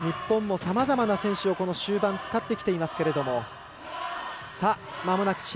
日本もさまざまな選手をこの終盤使ってきていますけど。